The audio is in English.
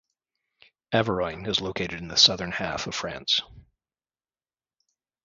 Averoigne is located in the southern half of France.